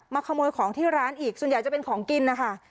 ขโมยของที่ร้านอีกส่วนใหญ่จะเป็นของกินนะคะ